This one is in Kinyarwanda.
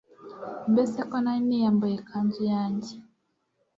mbese ko nari niyambuye ikanzu yanjye